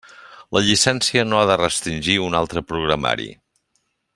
La llicència no ha de restringir un altre programari.